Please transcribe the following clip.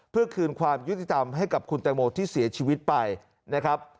เพื่อคืนความยุติธรรมให้กับคุณแตงโมที่เสียชีวิตไปนะครับ